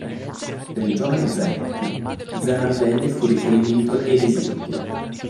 Per il giovane Zanetti, Zanardelli fu riferimento ed esempio.